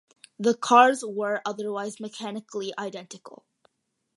The cars were otherwise mechanically identical.